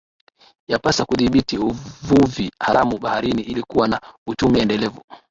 Yapasa kudhibiti uvuvi haramu baharini ili kuwa na uchumi endelevu